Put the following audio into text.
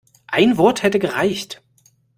Ein Wort hätte gereicht.